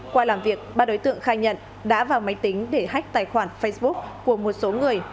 qua làm việc ba đối tượng khai nhận đã vào máy tính để hách tài khoản facebook của một số người